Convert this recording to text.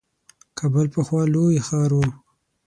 کابل پخوا لوی ښار وو.